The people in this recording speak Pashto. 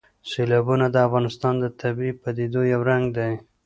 سیلابونه د افغانستان د طبیعي پدیدو یو رنګ دی.